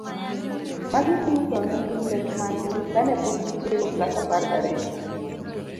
Magi duto ne gin lek mag gi kane pok gitieko klas apar gariyo.